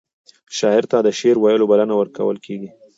شاعر ته د شعر ویلو بلنه ورکول کیږي.